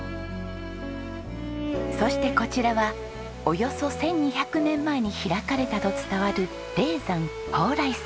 そしてこちらはおよそ１２００年前に開かれたと伝わる霊山莱山。